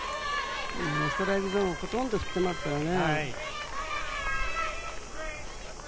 ストライクゾーンはほとんど振っていますからね。